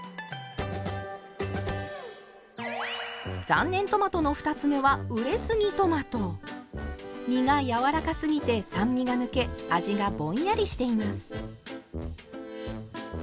残念トマトの２つ目は実がやわらかすぎて酸味が抜け味がぼんやりしています。